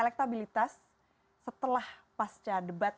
elektabilitas setelah pasca debat